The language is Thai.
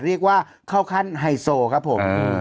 เรียกว่าเข้าขั้นไฮโซครับผม